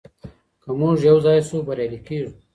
که موږ يو ځای سو بريالي کيږو.